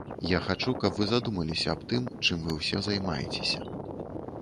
Я хачу, каб вы задумаліся аб тым, чым вы ўсе займаецеся.